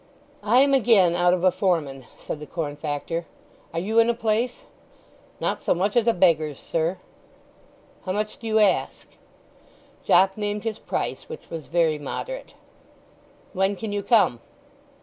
"I am again out of a foreman," said the corn factor. "Are you in a place?" "Not so much as a beggar's, sir." "How much do you ask?" Jopp named his price, which was very moderate. "When can you come?"